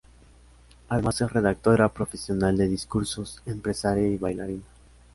Además es redactora profesional de discursos, empresaria y bailarina.